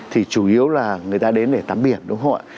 thì chủ yếu là người ta đến để tắm biển đúng không ạ